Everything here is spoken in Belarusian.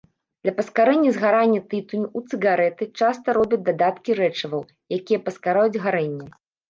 Для паскарэння згарання тытуню ў цыгарэты часта робяць дадаткі рэчываў, якія паскараюць гарэнне.